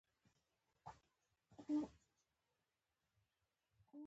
جامې باید ډېرې ګرمې نه شي، سپکې، انعطاف منوونکې او ژر و نه شلېږي.